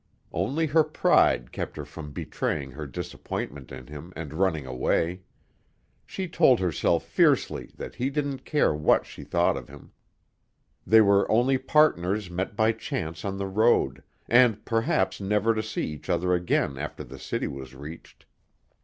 Only her pride kept her from betraying her disappointment in him and running away. She told herself fiercely that he didn't care what she thought of him; they were only partners met by chance on the road, and perhaps never to see each other again after the city was reached.